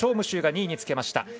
秋が２位につけました。